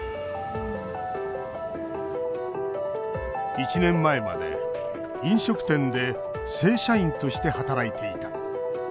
１年前まで飲食店で正社員として働いていた。